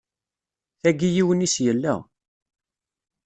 Tagi yiwen-is yella.